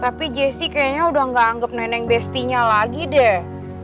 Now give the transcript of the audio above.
tapi jessey kayaknya udah gak anggap neneng bestinya lagi deh